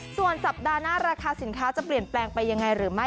ส่วนสัปดาห์หน้าราคาสินค้าจะเปลี่ยนแปลงไปยังไงหรือไม่